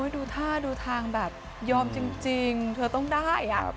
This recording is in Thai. ดูท่าดูทางแบบยอมจริงเธอต้องได้